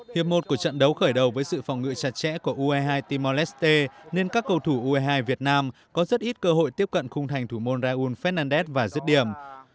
hiệp một của trận đấu khởi đầu với sự phòng ngựa chặt chẽ của ue hai timor leste nên các cầu thủ ue hai việt nam có rất ít cơ hội tiếp cận khung thành thủ môn raul fernandez và giết điểm